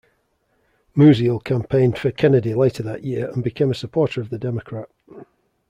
Musial campaigned for Kennedy later that year and became a supporter of the Democrat.